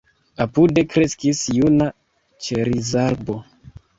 Apude kreskis juna ĉerizarbo.